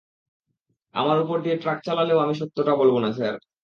আমার উপর দিয়ে ট্রাকও চালালেও আমি সত্যটা বলব না, স্যার!